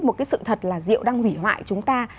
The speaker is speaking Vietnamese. một cái sự thật là rượu đang hủy hoại chúng ta